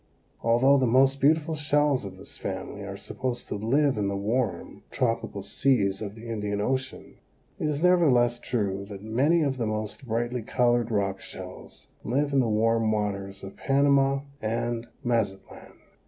Although the most beautiful shells of this family are supposed to live in the warm, tropical seas of the Indian Ocean, it is nevertheless true that many of the most brightly colored rock shells live in the warm waters of Panama and Mazatlan.